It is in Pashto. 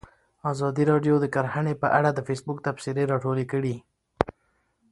ازادي راډیو د کرهنه په اړه د فیسبوک تبصرې راټولې کړي.